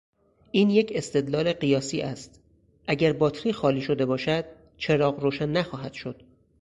این یک استدلال قیاسی است: اگر باطری خالی شده باشد چراغ روشن نخواهد شد.